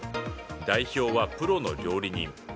代表はプロの料理人。